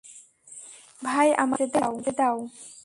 ভাই, আমাকে যেতে দাও।